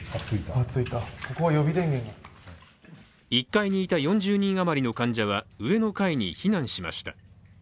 １階にいた４０人余りの患者は上の階に避難しました。